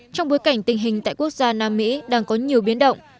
trong bối cảnh tình hình tại quốc gia nam mỹ đang có nhiều biến động